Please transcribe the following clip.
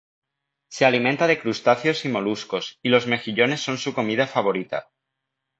Se alimenta de crustáceos y moluscos, y los mejillones son su comida favorita.